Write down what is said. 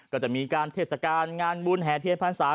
ก็จะมีการเทศกาลงานบุญแห่เทียนพรรษา